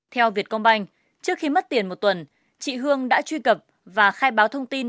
theo việt công banh trước khi mất tiền một tuần chị hương đã truy cập và khai báo thông tin